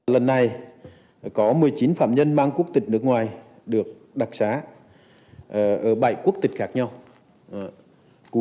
lần này có một mươi chín phạm nhân mang quốc tịch nước ngoài được đặc xá ở bảy quốc tịch khác nhau